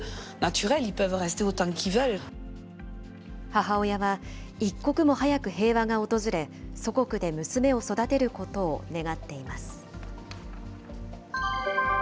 母親は、一刻も早く平和が訪れ、祖国で娘を育てることを願っています。